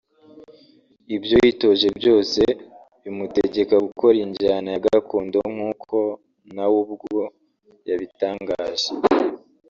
ibyo yitoje byose bimutegeka gukora injyana ya gakondo nk'uko nawe ubwo yabitangaje